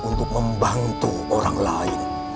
untuk membantu orang lain